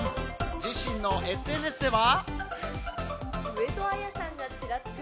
自身のＳＮＳでは。